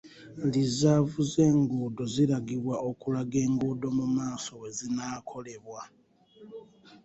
Lizaavu z'engudo ziragibwa okulaga enguudo mu maaso wezinaakolebwa.